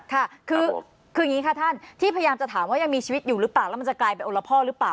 ค่ะคืออย่างนี้ค่ะท่านที่พยายามจะถามว่ายังมีชีวิตอยู่หรือเปล่าแล้วมันจะกลายเป็นโอละพ่อหรือเปล่า